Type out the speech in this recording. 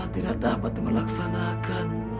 tidak dapat melaksanakan